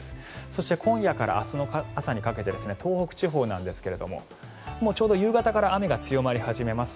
そして今夜から明日の朝にかけて東北地方ですがちょうど夕方から雨が強まり始めます。